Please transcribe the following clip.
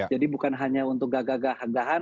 jadi bukan hanya untuk gagah gagahan